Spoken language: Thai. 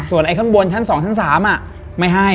ส่วนไอ้ข้างบนชั้น๒ชั้น๓ไม่ให้